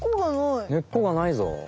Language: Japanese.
根っこがないぞ？